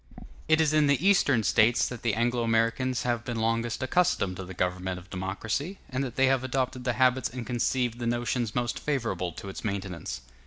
It is in the Eastern States that the Anglo Americans have been longest accustomed to the government of democracy, and that they have adopted the habits and conceived the notions most favorable to its maintenance.